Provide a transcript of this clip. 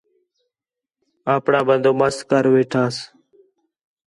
اپݨاں بندو بست کر وٹھساں